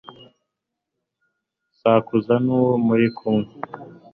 sakuza n'uwo muri kumwe